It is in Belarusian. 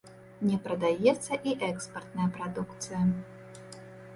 Не прадаецца і экспартная прадукцыя.